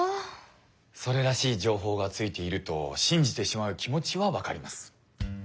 それらしい情報がついていると信じてしまう気持ちはわかります。